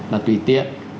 là tùy tiện